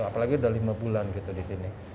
apalagi udah lima bulan gitu di sini